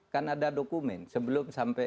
kan ada dokumen sebelum sampai